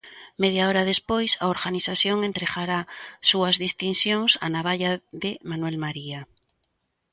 Media hora despois, a organización entregará as súas distincións: a Navalla de Manuel María.